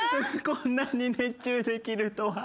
こんなに熱中できるとは。